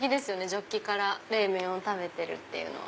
ジョッキから冷麺を食べてるっていうのは。